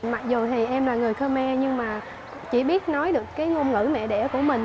mặc dù thì em là người khmer nhưng mà chỉ biết nói được cái ngôn ngữ mẹ đẻ của mình